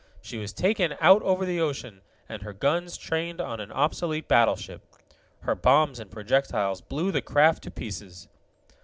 She was taken out over the ocean, and her guns trained on an obsolete battleship. Her bombs and projectiles blew the craft to pieces.